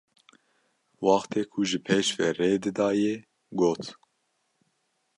Wextê ku ji pêş ve rê didayê got: